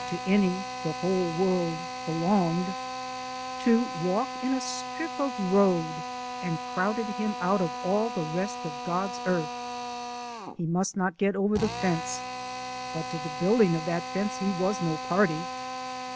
to any, the whole world belonged, to walk in a strip of road and crowded him out of all the rest of God's earth. He must not get over the fence: but to the building of that fence he was no party.